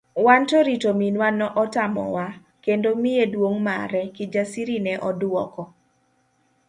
Wanto rito minwa no otamowa kendo miye duong' mare, Kijasiri ne oduoko.